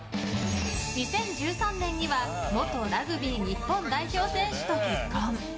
２０１３年には元ラグビー日本代表選手と結婚。